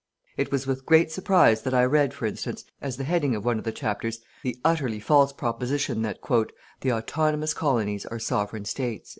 "It was with great surprise that I read, for instance, as the heading of one of the chapters, the utterly false proposition that: "_The Autonomous Colonies are Sovereign States.